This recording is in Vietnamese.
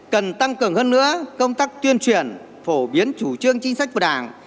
cần tăng cường hơn nữa công tác tuyên truyền phổ biến chủ trương chính sách của đảng